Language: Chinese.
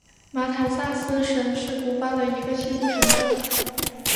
马坦萨斯省是古巴的一个西部省份。